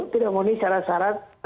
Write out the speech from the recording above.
tidak penuhi syarat syarat